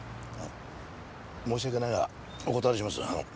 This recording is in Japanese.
申し訳ないがお断りします。